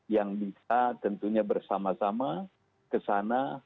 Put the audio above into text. yang bisa tentunya bersama sama ke sana